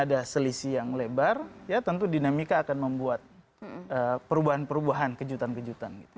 ada selisih yang lebar ya tentu dinamika akan membuat perubahan perubahan kejutan kejutan gitu